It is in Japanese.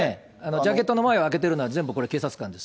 ジャケットの前を開けてるのは、全部これ、警察官です。